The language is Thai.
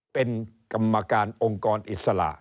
เป็นกรรมการองค์กรอิสระ